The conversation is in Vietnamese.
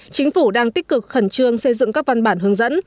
chính phủ đang tích cực khẩn trương xây dựng các văn bản hướng dẫn